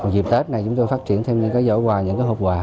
dịp tết này chúng tôi phát triển thêm những cái giỏ quà những cái hộp quà